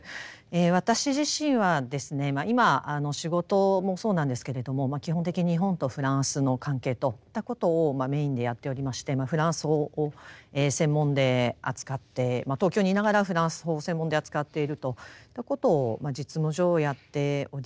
私自身はですね今仕事もそうなんですけれども基本的に日本とフランスの関係といったことをメインでやっておりましてフランス法を専門で扱って東京にいながらフランス法を専門で扱っているといったことを実務上やっております。